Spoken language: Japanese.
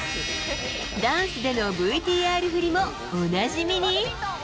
ダンスでのＶＴＲふりもおなじみに。